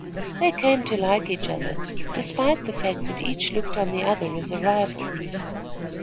They came to like each other, despite the fact that each looked on the other as a rival.